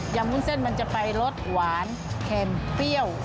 วุ้นเส้นมันจะไปรสหวานเค็มเปรี้ยว